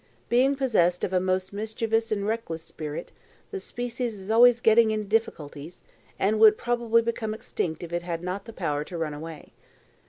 Being possessed of a most mischievous and reckless spirit, the species is always getting into difficulties, and would probably become extinct if it had not the power to run away."